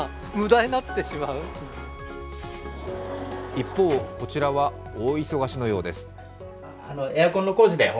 一方、こちらは大忙しのようです。